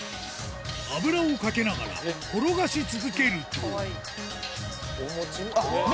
油をかけながら転がし続けると何？